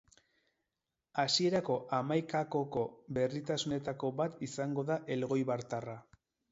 Hasierako hamaikakoko berritasunetako bat izango da elgoibartarra.